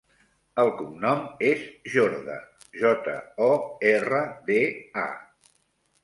El cognom és Jorda: jota, o, erra, de, a.